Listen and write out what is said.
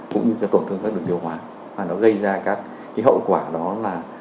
cũng như cái tổn thương các đường tiểu hóa và nó gây ra các cái hậu quả đó là